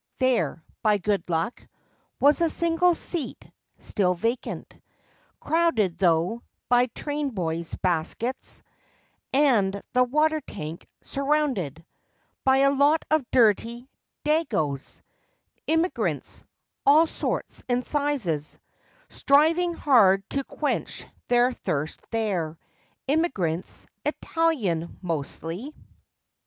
There, by good luck, Was a single seat; still vacant— Crowded, though, by train boy's baskets And the water tank, surrounded By a lot of dirty " Dagoes "— Immigrants, all sorts and sizes— Striving hard to quench their thirst there; Immigrants Italian, mostly, 16 FACTS AND FANCIES.